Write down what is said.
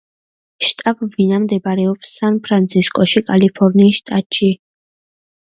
შტაბ-ბინა მდებარეობს სან-ფრანცისკოში, კალიფორნიის შტატში.